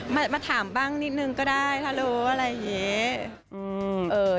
มาถามบ้างนิดนึงก็ได้ถ้ารู้อะไรอย่างนี้